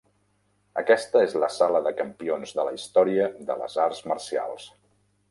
Aquesta és la sala de campions de la història de les arts marcials.